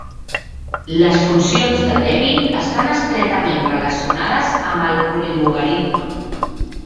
Les funcions de Debye estan estretament relacionades amb el polilogaritme.